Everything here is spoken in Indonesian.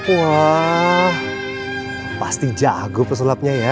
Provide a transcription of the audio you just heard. wah pasti jago pesulapnya ya